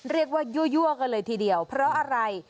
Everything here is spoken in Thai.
เรียกว่ายั่วกันเลยทีเดียวเพราะอะไร